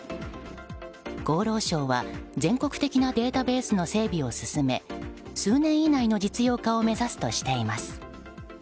厚労省は全国的なデータベースの整備を進め数年以内の実用化を目指すとしています。